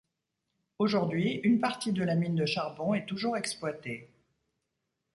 Aujourd'hui, une partie de la mine de charbon est toujours exploitée.